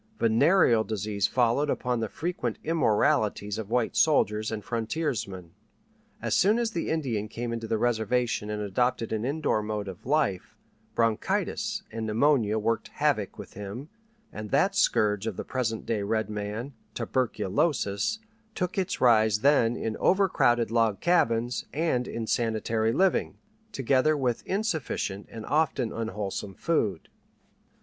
Venereal disease followed upon the frequent immoralities of white soldiers and frontiersmen. As soon as the Indian came into the reservation and adopted an indoor mode of life, bronchitis and pneumonia worked havoc with him, and that scourge of the present day red man, tuberculosis, took its rise then in overcrowded log cabins and insanitary living, together with insufficient and often unwholesome food.